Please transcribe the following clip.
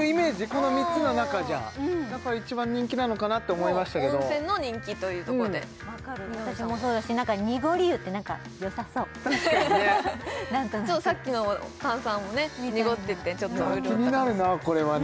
この３つの中じゃやっぱ一番人気なのかなって思いましたけど温泉の人気というところでわかる私もそうだし濁り湯ってなんかよさそう確かにねさっきの炭酸もね濁っててちょっとあれ気になるなこれはね